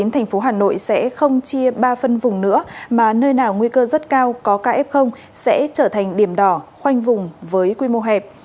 thành phố hà nội sẽ không chia ba phân vùng nữa mà nơi nào nguy cơ rất cao có kf sẽ trở thành điểm đỏ khoanh vùng với quy mô hẹp